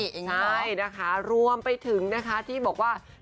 ใช่นะคะรวมไปถึงนะคะที่บอกว่า